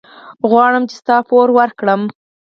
غواړم چې ستا پور ورکړم.